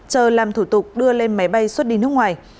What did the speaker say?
chờ làm thủ tục đưa lên máy bay xuất đi nước ngoài